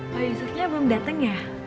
pak yusufnya belum datang ya